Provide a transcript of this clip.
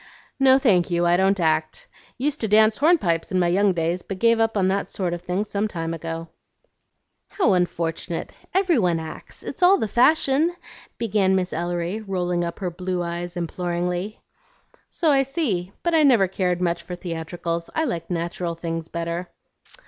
"No, thank you, I don't act. Used to dance hornpipes in my young days, but gave up that sort of thing some time ago." "How unfortunate! Every one acts; it's all the fashion," began Miss Ellery, rolling up her blue eyes imploringly. "So I see; but I never cared much for theatricals, I like natural things better."